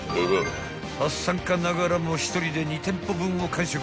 ［初参加ながらも１人で２店舗分を完食］